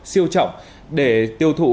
siêu trọng để tiêu thụ